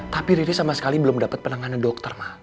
tapi riri sama sekali belum dapet penanganan dokter ma